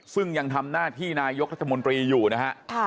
ซึ่งยังทำหน้าที่นายกรัฐมนตรีอยู่นะฮะ